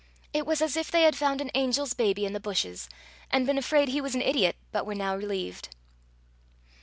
It was as if they had found an angel's baby in the bushes, and been afraid he was an idiot, but were now relieved.